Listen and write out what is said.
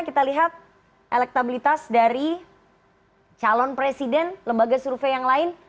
kita lihat elektabilitas dari calon presiden lembaga survei yang lain